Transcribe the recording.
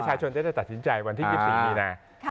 ประชาชนจะได้ตัดสินใจวันที่๒๖บีนา